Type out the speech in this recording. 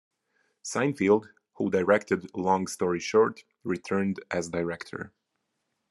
Seinfeld, who directed "Long Story Short", returned as director.